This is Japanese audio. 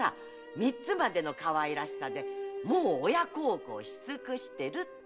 「三つまでのかわいらしさでもう親孝行しつくしてる」って。